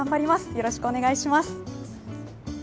よろしくお願いします。